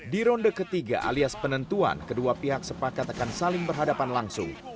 di ronde ketiga alias penentuan kedua pihak sepakat akan saling berhadapan langsung